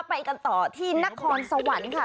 ไปกันต่อที่นครสวรรค์ค่ะ